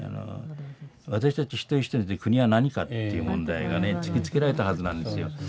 私たち一人一人にとって国は何かっていう問題がね突きつけられたはずなんですよ。